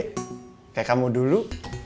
kayak kamu dulu